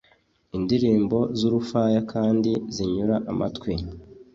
indirimbo z’urufaya kandi zinyura amatwi.